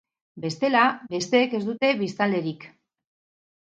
Bestela, besteek ez dute biztanlerik.